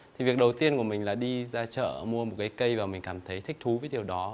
thì việc đầu tiên của mình là đi ra chợ mua một cái cây và mình cảm thấy thích thú với điều đó